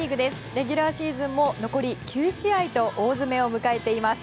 レギュラーシーズンも残り９試合と大詰めを迎えています。